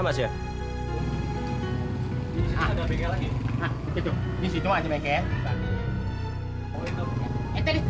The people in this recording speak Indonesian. maaf joy kita udah mau cucuk